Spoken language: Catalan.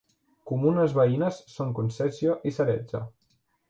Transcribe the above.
Comunes veïnes són Concesio i Sarezzo.